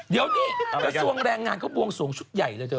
เดี๋ยวนี่ส่วงแรงงานก็บวงส่วงชุดใหญ่เลยเจอ